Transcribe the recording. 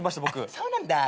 そうなんだ。